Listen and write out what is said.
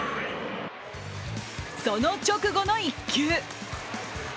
その直後の一球。